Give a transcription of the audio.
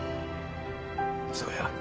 そうや。